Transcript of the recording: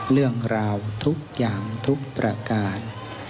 เรื่องราวทุกอย่างทุกประการ